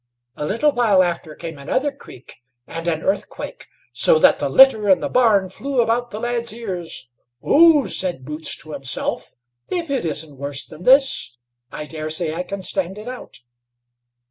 A little while after came another creak and an earthquake, so that the litter in the barn flew about the lad's ears. "Oh!" said Boots to himself, "if it isn't worse than this, I daresay I can stand it out."